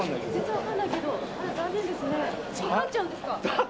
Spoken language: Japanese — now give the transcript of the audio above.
もう帰っちゃうんですか。